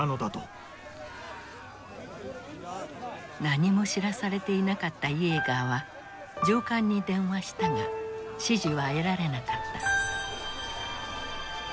何も知らされていなかったイエーガーは上官に電話したが指示は得られなかった。